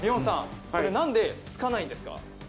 なんでつかないんですか？